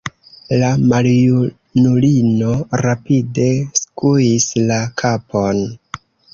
La maljunulino rapide skuis la kapon.